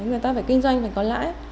người ta phải kinh doanh phải có lãi